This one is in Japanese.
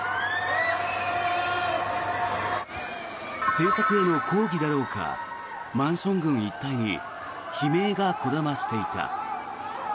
政策への抗議だろうかマンション群一帯に悲鳴がこだましていた。